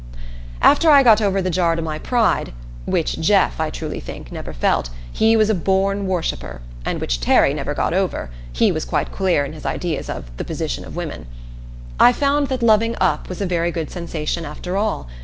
After I got over the jar to my pride (which Jeff, I truly think, never felt he was a born worshipper, and which Terry never got over he was quite clear in his ideas of "the position of women"), I found that loving "up" was a very good sensation after all.